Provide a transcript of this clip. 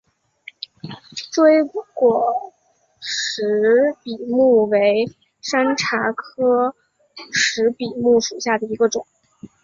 锥果石笔木为山茶科石笔木属下的一个种。